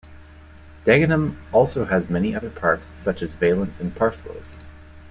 Dagenham also has many other parks such as Valence and Parsloes.